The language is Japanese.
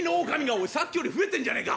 おいさっきより増えてんじゃねえか。